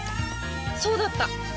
そうだった！